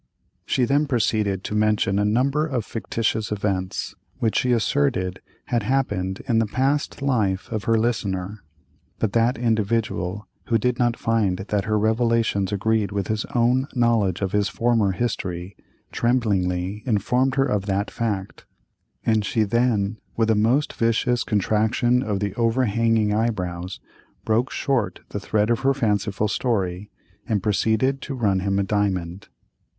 She then proceeded to mention a number of fictitious events which she asserted had happened in the past life of her listener, but that individual, who did not find that her revelations agreed with his own knowledge of his former history, tremblingly informed her of that fact; and she then, with a most vicious contraction of the overhanging eyebrows, broke short the thread of her fanciful story, and proceeded to "run him a diamond."